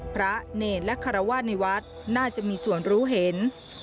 พระเนรและคารวาสในวัดน่าจะมีส่วนรู้เห็น